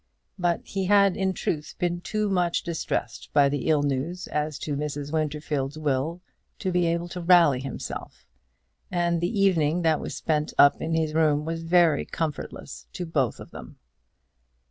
But he had in truth been too much distressed by the ill news as to Mrs. Winterfield's will to be able to rally himself, and the evening that was spent up in his room was very comfortless to both of them.